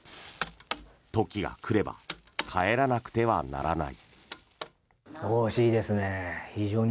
時が来れば帰らなくてはならない。